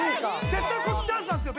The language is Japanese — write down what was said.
絶対こっちチャンスなんですよ